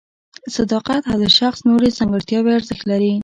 صداقت او د شخص نورې ځانګړتیاوې ارزښت لري.